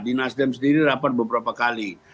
di nasdem sendiri rapat beberapa kali